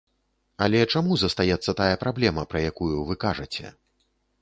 Але чаму застаецца тая праблема, пра якую вы кажаце?